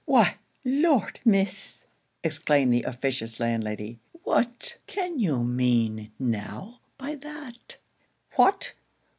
'Why, Lord, Miss!' exclaimed the officious landlady, 'what can you mean now by that? What!